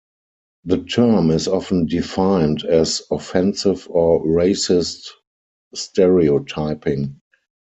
The term is often defined as offensive or racist stereotyping.